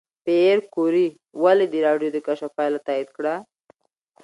پېیر کوري ولې د راډیوم د کشف پایله تایید کړه؟